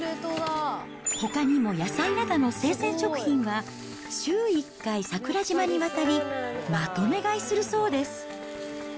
ほかにも野菜などの生鮮食品は、週１回、桜島に渡り、まとめ買いするそうです。